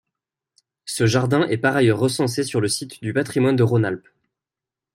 Ce jardin est, par ailleurs, recensé sur le site du patrimoine de Rhône-Alpes.